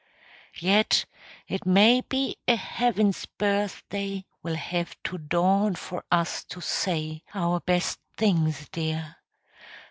Yet, it may be a heaven's birthday Will have to dawn for us to say Our best things, dear.